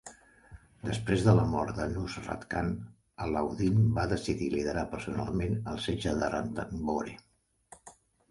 Després de la mort de Nusrat Khan, Alauddin va decidir liderar personalment el setge de Ranthambore.